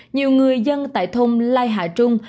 nhiều người dân tại thôn lai hạ trung